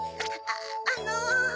あの。